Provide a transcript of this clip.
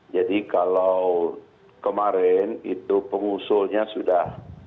jadi kalau kemarin itu pengusulnya sudah